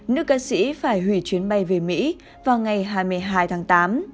nữ ca sĩ phải hủy chuyến bay về mỹ vào ngày hai mươi hai tháng tám